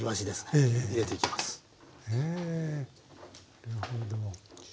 へなるほど。